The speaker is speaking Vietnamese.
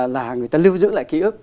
là người ta lưu giữ lại ký ức